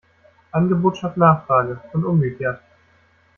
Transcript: Angebot schafft Nachfrage und umgekehrt.